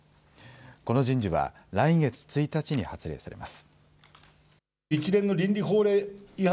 この人事は来月１日に発令されます。